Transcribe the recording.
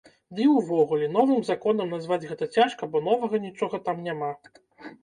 Ды і ўвогуле, новым законам назваць гэта цяжка, бо новага нічога там няма.